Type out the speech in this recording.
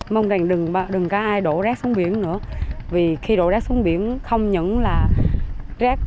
mong rằng đừng có ai đổ rác xuống biển nữa vì khi đổ rác xuống biển không những là rác